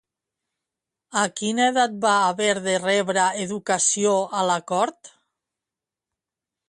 A quina edat va haver de rebre educació a la cort?